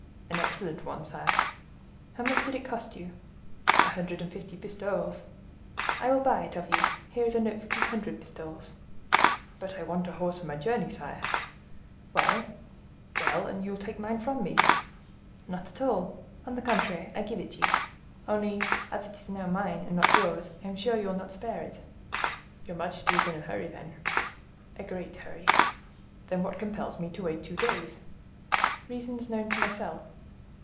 "An excellent one, sire." "How much did it cost you?" "A hundred and fifty pistoles." "I will buy it of you. Here is a note for two hundred pistoles." "But I want a horse for my journey, sire." "Well!" "Well, and you take mine from me." "Not at all. On the contrary, I give it you. Only as it is now mine and not yours, I am sure you will not spare it." "Your majesty is in a hurry, then?" "A great hurry." "Then what compels me to wait two days?" "Reasons known to myself."